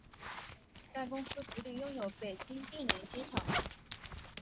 该公司独立拥有北京定陵机场。